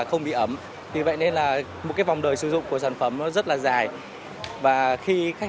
không bị ẩm vì vậy nên là một cái vòng đời sử dụng của sản phẩm nó rất là dài và khi khách